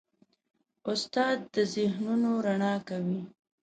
استاد د ذهنونو رڼا کوي.